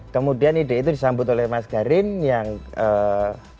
kemudian ide itu disambut oleh mas garin yang pengen ke papua